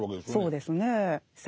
そうですねえ。